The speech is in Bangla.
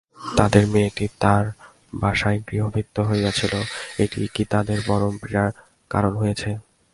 তাঁদের মেয়েটি তাঁর বাসায় গৃহভৃত্য ছিল, এইটিই কি তাঁদের মর্মপীড়ার কারণ হয়েছে?